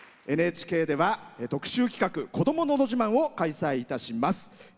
ＮＨＫでは特集企画「こどものど自慢」を開催いたします。